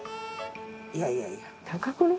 いやいやいや。